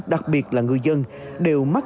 đặc biệt là người dân đều mắc